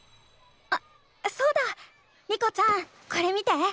あそうだ。リコちゃんこれ見て。